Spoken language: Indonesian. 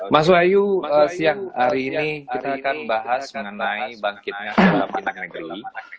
mas wahyu siang hari ini kita akan bahas mengenai bangkitnya petak negeri